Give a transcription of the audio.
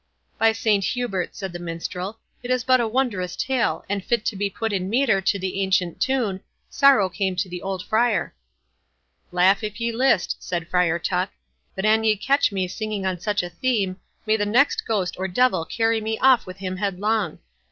"By Saint Hubert," said the Minstrel, "but it is a wondrous tale, and fit to be put in metre to the ancient tune, 'Sorrow came to the old Friar.'" "Laugh, if ye list," said Friar Tuck; "but an ye catch me singing on such a theme, may the next ghost or devil carry me off with him headlong!